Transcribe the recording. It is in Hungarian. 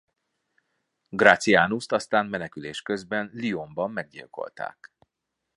Gratianust aztán menekülés közben Lyonban meggyilkoltak.